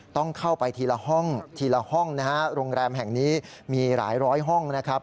ต้องเข้าไปทีละห้องโรงแรมแห่งนี้มีหลายร้อยห้องนะครับ